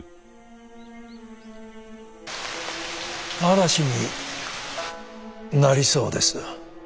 嵐になりそうですよ。